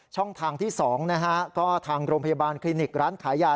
ช่องทางที่๒นะฮะก็ทางโรงพยาบาลคลินิกร้านขายยา